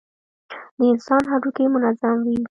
د انسان هډوکى منظم وي.